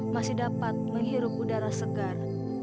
masih dapat menghirup udara segar